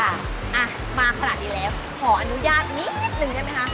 อ่ะมาขนาดนี้แล้วขออนุญาตนิดนึงได้ไหมคะ